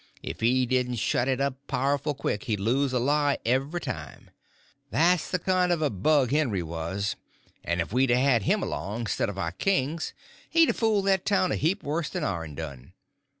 If he didn't shut it up powerful quick he'd lose a lie every time. That's the kind of a bug Henry was; and if we'd a had him along 'stead of our kings he'd a fooled that town a heap worse than ourn done.